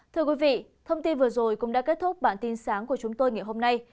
thưa quý vị thông tin vừa rồi cũng đã kết thúc bản tin sáng của chúng tôi ngày hôm nay